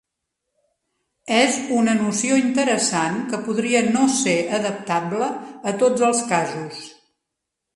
És una noció interessant que podria no ser adaptable a tots els casos.